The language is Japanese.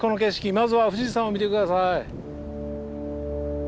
まずは富士山を見て下さい。